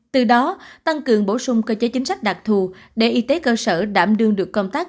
từ đó tăng cường bổ sung cơ chế chính sách đặc thù để y tế cơ sở đảm đương được công tác